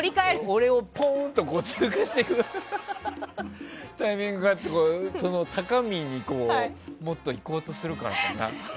俺をポンと通過していくタイミングがあって高みにもっと行こうとするからかな？